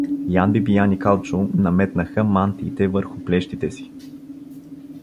Ян Бибиян и Калчо наметнаха мантиите върху плещите си.